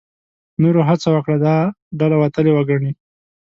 نورو هڅه وکړه دا ډله وتلې وګڼي.